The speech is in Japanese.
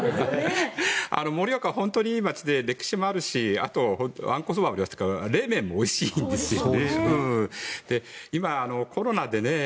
盛岡は本当にいい街で歴史もあるしあと、わんこそばのほか冷麺もおいしいんですよね。